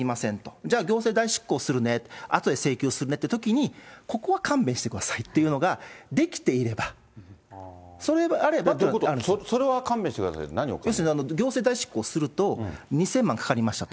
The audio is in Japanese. じゃあ、行政代執行するね、あとで請求するねってときに、ここは勘弁してくださいっていうのそれは勘弁してくださいって、行政代執行すると、２０００万かかりましたと。